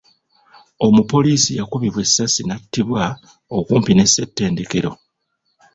Omupoliisi yakubiddwa essasi n'atttibwa okumpi ne Ssettendekero.